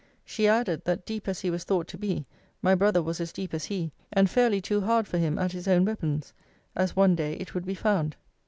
She added, that deep as he was thought to be, my brother was as deep as he, and fairly too hard for him at his own weapons as one day it would be found.